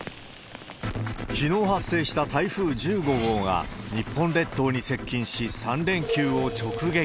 きのう発生した台風１５号が日本列島に接近し、３連休を直撃。